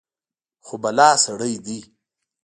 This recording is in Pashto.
خو بلا سړى دى.